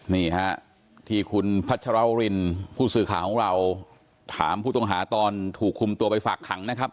นี่ฮะที่คุณพัชรวรินผู้สื่อข่าวของเราถามผู้ต้องหาตอนถูกคุมตัวไปฝากขังนะครับ